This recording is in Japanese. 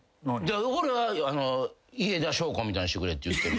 俺は家田荘子みたいにしてくれって言ってる。